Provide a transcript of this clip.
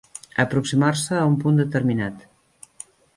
Aproximar-se a un punt determinat.